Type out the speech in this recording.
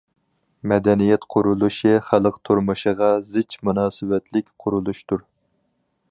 مەدەنىيەت قۇرۇلۇشى خەلق تۇرمۇشىغا زىچ مۇناسىۋەتلىك قۇرۇلۇشتۇر.